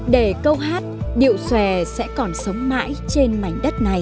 để câu hát điệu xòe sẽ còn sống mãi trên mảnh đất này